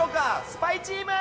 スパイチーム！